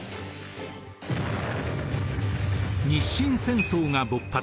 日清戦争が勃発。